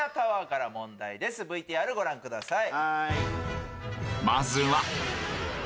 ＶＴＲご覧ください。